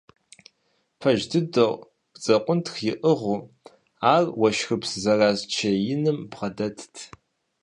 Пэж дыдэу, бдзэкъунтх иӀыгъыу ар уэшхыпс зэраз чей иным бгъэдэтт.